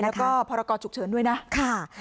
แล้วก็พอละกอดฉุกเฉินด้วยนะ